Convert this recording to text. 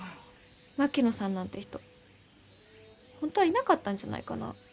槙野さんなんて人本当はいなかったんじゃないかな？